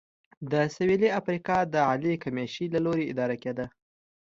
د سوېلي افریقا د عالي کمېشۍ له لوري اداره کېده.